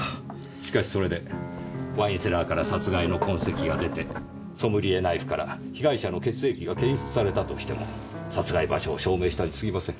しかしそれでワインセラーから殺害の痕跡が出てソムリエナイフから被害者の血液が検出されたとしても殺害場所を証明したに過ぎません。